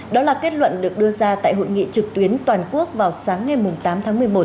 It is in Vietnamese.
đó là kết luận được đưa ra tại hội nghị trực tuyến toàn quốc vào sáng ngày tám tháng một mươi một